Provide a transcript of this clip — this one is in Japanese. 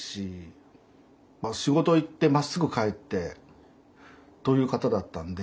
仕事行ってまっすぐ帰ってという方だったんで。